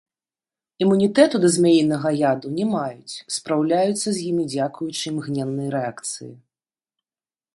Імунітэту да змяінага яду не маюць, спраўляюцца з імі дзякуючы імгненнай рэакцыі.